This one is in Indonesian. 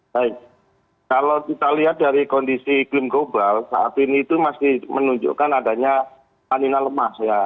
baik kalau kita lihat dari kondisi iklim global saat ini itu masih menunjukkan adanya tanina lemas ya